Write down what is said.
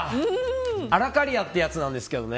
アラカリアってやつなんですけどね。